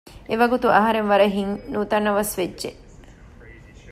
އެވަގުތު އަހުރެން ވަރަށް ހިތް ނުތަނަވަސް ވެއްޖެ